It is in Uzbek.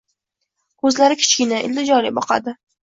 Ko`zchalari kichkina, iltijoli boqadi